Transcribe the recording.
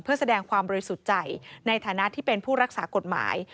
เพื่อแสดงความบริสุทธิ์ใจในฐานะที่เป็นผู้รักษากฎหมาย